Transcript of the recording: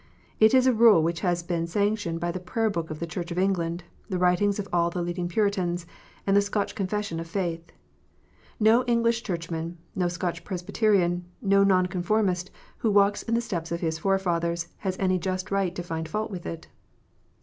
It is a rule which has been sanctioned by the Prayer book of the Church of England, the writings of all the leading Puritans, and the Scotch Confession of Faith. No English Churchman, no Scotch Presbyterian, no Noncon formist who walks in the steps of his forefathers, has any just right to find fault with it.